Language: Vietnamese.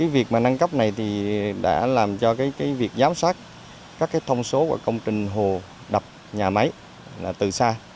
việc nâng cấp này đã làm cho việc giám sát các thông số của công trình hồ đập nhà máy từ xa